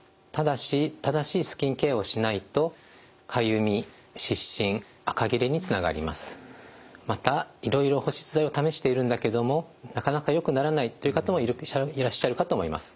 ただしまたいろいろ保湿剤を試しているんだけどもなかなかよくならないという方もいらっしゃるかと思います。